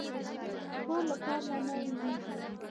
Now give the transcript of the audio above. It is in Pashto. خور له کار نه نه وېرېږي.